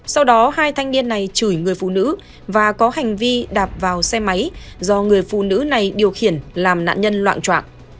sau đó hai thanh niên này chửi người phụ nữ và có hành vi đạp vào xe máy do người phụ nữ này điều khiển làm nạn nhân loạn trọng